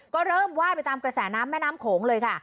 ก็เริ่มไหว้ไปตามกระแสน้ำแม่น้ำโขงเลยค่ะ